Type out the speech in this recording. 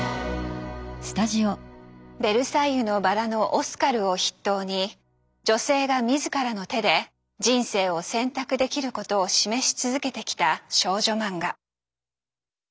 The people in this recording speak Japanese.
「ベルサイユのばら」のオスカルを筆頭に女性が自らの手で人生を選択できることを示し続けてきた少女マンガ。